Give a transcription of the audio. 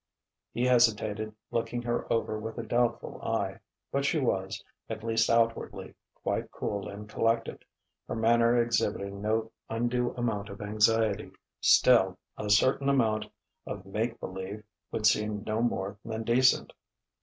He hesitated, looking her over with a doubtful eye. But she was, at least outwardly, quite cool and collected, her manner exhibiting no undue amount of anxiety. Still, a certain amount of make believe would seem no more than decent....